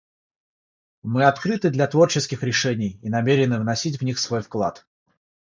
Мы открыты для творческих решений и намерены вносить в них свой вклад.